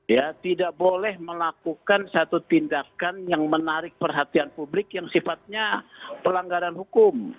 ya tidak boleh melakukan satu tindakan yang menarik perhatian publik yang sifatnya pelanggaran hukum